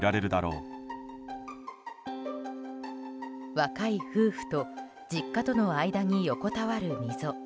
若い夫婦と実家との間に横わたる溝。